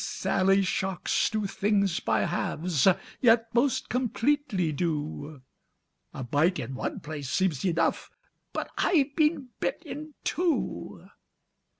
Sally, sharks do things by halves, Yet most completely do! A bite in one place soems enough, But I've been bit in two.